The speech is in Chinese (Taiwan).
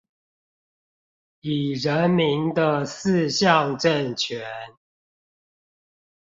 以人民的四項政權